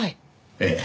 ええ。